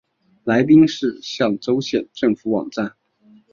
来宾市象州县政府网站